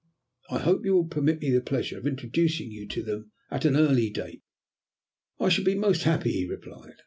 I hope you will permit me the pleasure of introducing you to them at an early date." "I shall be most happy," he replied.